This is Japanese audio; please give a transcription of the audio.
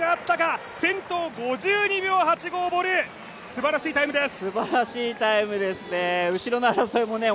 すばらしいタイムです。